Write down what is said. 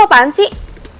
lo tuh apaan sih